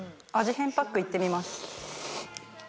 変パックいってみます。